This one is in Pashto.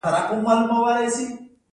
• بښل له نفس سره جګړه ده.